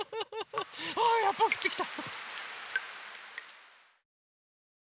あやっぱりふってきた！